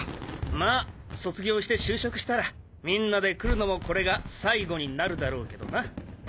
まっ卒業して就職したらみんなで来るのもこれが最後になるだろうけどな。